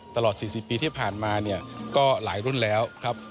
ตลอด๔๐ปีที่ผ่านมาเนี่ยก็หลายรุ่นแล้วครับ